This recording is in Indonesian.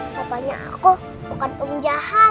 papanya aku bukan om jahat